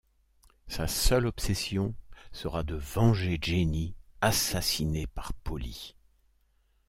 Sa seule obsession sera de venger Jenny assassinée par Paulie.